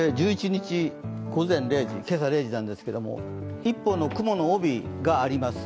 １１日午前０時、今朝０時なんですが１本の雲の帯があります。